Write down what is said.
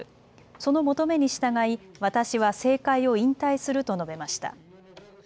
その求めに従い私は政界を引退すると述べました。